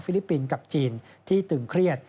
ลิปปินส์กับจีนที่ตึงเครียด